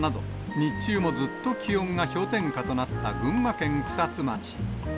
日中もずっと気温が氷点下となった群馬県草津町。